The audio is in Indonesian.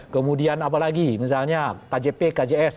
kemudian apa lagi misalnya kjp kjs